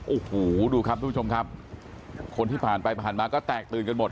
โอ้โหดูครับทุกผู้ชมครับคนที่ผ่านไปผ่านมาก็แตกตื่นกันหมด